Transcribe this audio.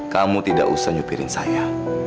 kamu tidak usah nyupirin saya